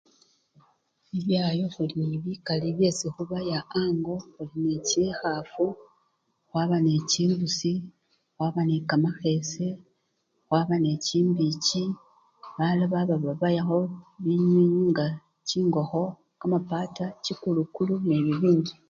Bibyayo khuli nebikali byesi khubaya ango, khuli nechikhafu, khwaba nechimbusi, khwaba nekamakhese, khwaba nechimbichi balala baba nga babayakho binyinyi nga chingokho, kamapata, chikulukulu nebibindi.